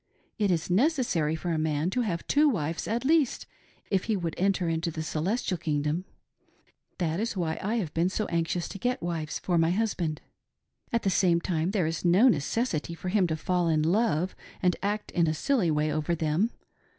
It is necessary for a man to have two wives at least if he would enter into the celestial kingdom. That is why I have been so anxious to get wives for my husband. At the same time there is no necessity for him to fall in love and act in a silly way over them.